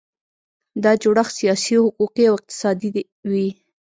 دا جوړښت سیاسي، حقوقي او اقتصادي وي.